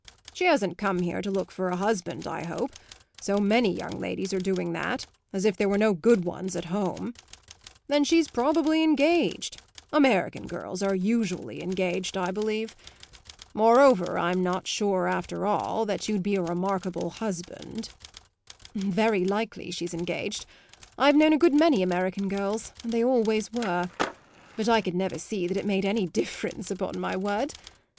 She hasn't come here to look for a husband, I hope; so many young ladies are doing that, as if there were no good ones at home. Then she's probably engaged; American girls are usually engaged, I believe. Moreover I'm not sure, after all, that you'd be a remarkable husband." "Very likely she's engaged; I've known a good many American girls, and they always were; but I could never see that it made any difference, upon my word!